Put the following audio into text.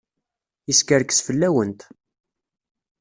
Yeskerkes fell-awent.